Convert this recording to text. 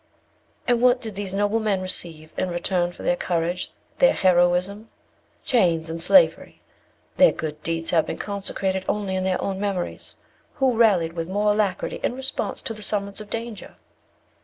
"And what did these noble men receive in return for their courage, their heroism? Chains and slavery. Their good deeds have been consecrated only in their own memories. Who rallied with more alacrity in response to the summons of danger?